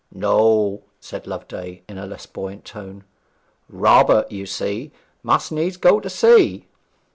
'No,' said Loveday in a less buoyant tone. 'Robert, you see, must needs go to sea.'